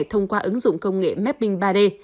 thông qua ứng dụng công nghệ mapping ba d